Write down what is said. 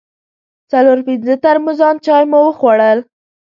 څلور پنځه ترموزان چای مو وخوړل.